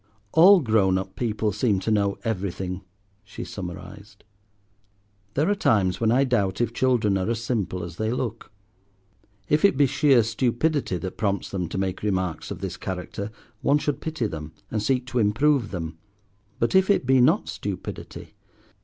"All grown up people seem to know everything," she summarized. There are times when I doubt if children are as simple as they look. If it be sheer stupidity that prompts them to make remarks of this character, one should pity them, and seek to improve them. But if it be not stupidity?